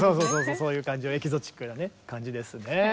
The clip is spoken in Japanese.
そういう感じのエキゾチックな感じですね。